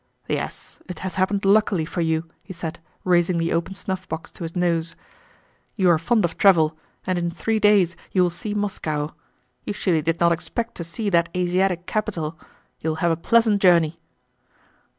"Yes, it has happened luckily for you," he said, raising the open snuffbox to his nose. "You are fond of travel, and in three days you will see Moscow. You surely did not expect to see that Asiatic capital. You will have a pleasant journey."